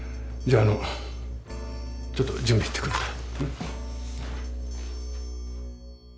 あのちょっと準備行ってくるから。